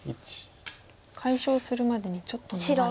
解消するまでにちょっと長い。